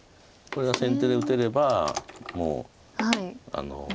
これが先手で打てればもう。